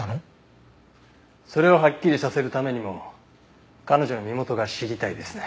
それをはっきりさせるためにも彼女の身元が知りたいですね。